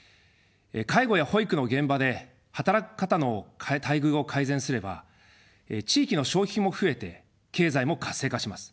介護や保育の現場で働く方の待遇を改善すれば地域の消費も増えて経済も活性化します。